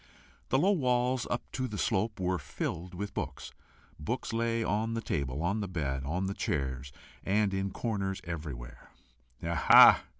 The low walls, up to the slope, were filled with books; books lay on the table, on the bed, on chairs, and in corners everywhere. "Aha!"